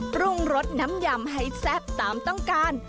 ปรุงรสน้ำยำให้แซ่บตามต้องการ